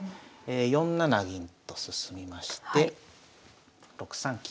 ４七銀と進みまして６三金。